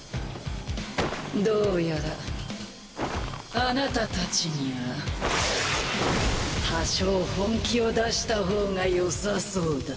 どうやらあなたたちには多少本気を出した方がよさそうだ。